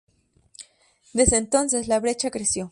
Desde entonces, la brecha creció.